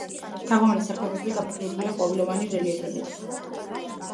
თაღოვანი სარდაფები გაფორმებულია ყვავილოვანი რელიეფებით.